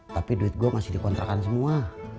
tapi duit gua masih dikontrakan semua